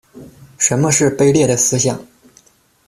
什么是卑劣的思想？